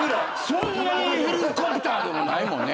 そんなにヘリコプターでもないもんね。